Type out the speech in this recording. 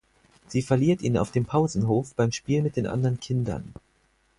Sie verliert ihn auf dem Pausenhof beim Spiel mit den anderen Kindern.